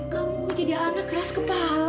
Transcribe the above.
kamu jadi anak keras kepala